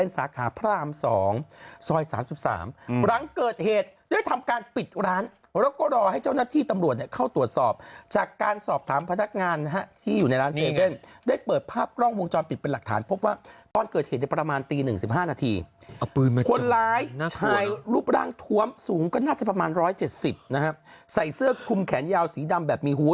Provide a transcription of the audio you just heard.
สาขาพระราม๒ซอย๓๓หลังเกิดเหตุได้ทำการปิดร้านแล้วก็รอให้เจ้าหน้าที่ตำรวจเนี่ยเข้าตรวจสอบจากการสอบถามพนักงานนะฮะที่อยู่ในร้าน๗๑๑ได้เปิดภาพกล้องวงจรปิดเป็นหลักฐานพบว่าตอนเกิดเหตุในประมาณตีหนึ่งสิบห้านาทีคนร้ายชายรูปร่างทวมสูงก็น่าจะประมาณ๑๗๐นะฮะใส่เสื้อคลุมแขนยาวสีดำแบบมีหู